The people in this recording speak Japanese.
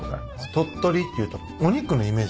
鳥取っていうとお肉のイメージ